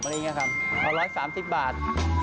เสียจริงใช่ไหมครับพอ๑๓๐บาท